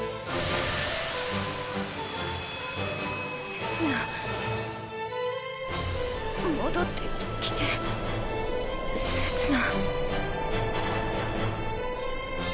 せつな戻ってきてせつな。